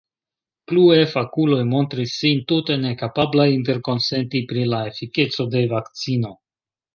Plue: fakuloj montris sin tute nekapablaj interkonsenti pri la efikeco de vakcino.